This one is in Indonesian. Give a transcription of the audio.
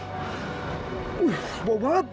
wih bau banget